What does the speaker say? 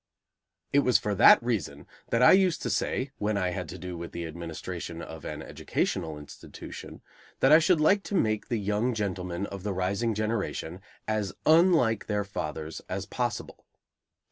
It was for that reason that I used to say, when I had to do with the administration of an educational institution, that I should like to make the young gentlemen of the rising generation as unlike their fathers as possible.